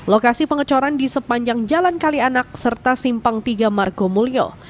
lokasi pengecoran di sepanjang jalan kalianak serta simpang tiga margomulyo